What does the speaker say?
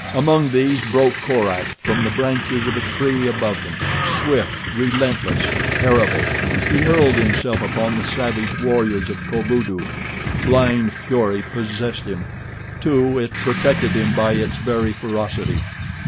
Among these broke Korak from the branches of a tree above them—swift, relentless, terrible, he hurled himself upon the savage warriors of Kovudoo. Blind fury possessed him. Too, it protected him by its very ferocity.